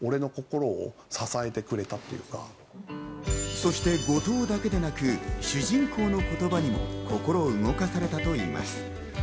そして後藤だけでなく、主人公の言葉にも心動かされたといいます。